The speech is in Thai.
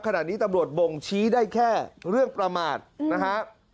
ขณะนี้ตำรวจบ่งชี้ได้แค่เรื่องประมาทนะฮะ